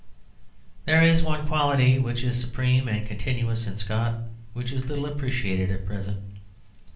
There is one quality which is supreme and continuous in Scott which is little appreciated at present.